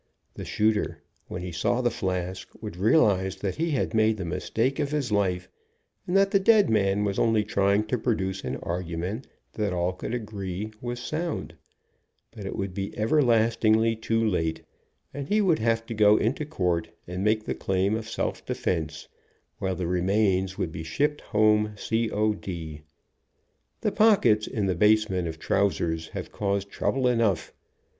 The shooter, when he saw the flask, would realize that he had made the mistake of his life, and that the dead man was only trying to produce an argument that all could agree was sound, but it would be everlastingly too late, and he would have to go into court and make the claim of self defense, while the remains would be shipped home C. O. D. The pockets in the basement of trdusers have caused trouble enough.